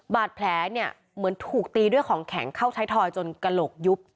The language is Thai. บาดแผลเนี่ยเหมือนถูกตีด้วยของแข็งเข้าใช้ทอยจนกระโหลกยุบ